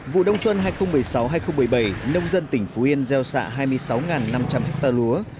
vụ đông xuân hai nghìn một mươi sáu hai nghìn một mươi bảy nông dân tỉnh phú yên gieo xạ hai mươi sáu năm trăm linh ha lúa